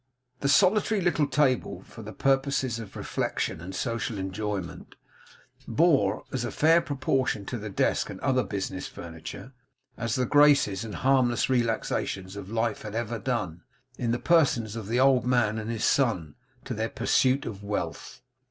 The solitary little table for purposes of refection and social enjoyment, bore as fair a proportion to the desk and other business furniture, as the graces and harmless relaxations of life had ever done, in the persons of the old man and his son, to their pursuit of wealth.